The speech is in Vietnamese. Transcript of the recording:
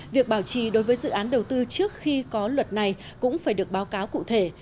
việc bảo trì đối với dự án đầu tư trước khi có luật này cũng phải được báo cáo cụ thể